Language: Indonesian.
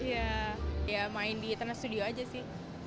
ya main di trans studio aja sih